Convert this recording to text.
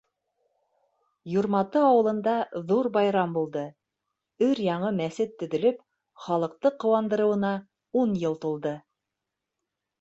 Юрматы ауылында ҙур байрам булды: өр-яңы мәсет төҙөлөп, халыҡты ҡыуандырыуына ун йыл тулды.